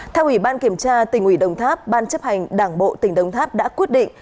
theo ủy ban kiểm tra tỉnh ủy đồng tháp ban chấp hành đảng bộ tỉnh đồng tháp đã quyết định